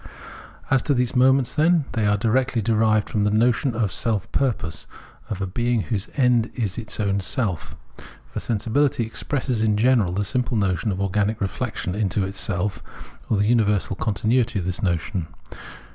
As to these moments, then, they are directly derived from the notion of self purpose, of a being whose end is its own self. For Sensibility expresses in general the simple notion of organic reflexion into itself, or the universal continuity of this notion.